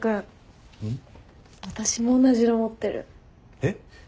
えっ？